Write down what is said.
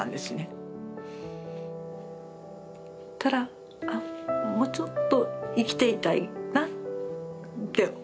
そしたらあもうちょっと生きていたいなって思いが。